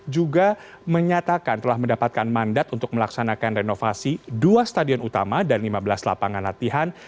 juga menyatakan telah mendapatkan mandat untuk melaksanakan renovasi dua stadion utama dan lima belas lapangan latihan